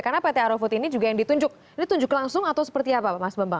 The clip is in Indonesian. karena pt aerofood ini juga yang ditunjuk ini ditunjuk langsung atau seperti apa pak mas bambang